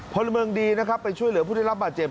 พลเมืองดีนะครับไปช่วยเหลือผู้ได้รับบาดเจ็บ